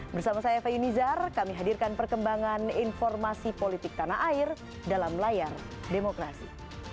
bersama saya eva yunizar kami hadirkan perkembangan informasi politik tanah air dalam layar demokrasi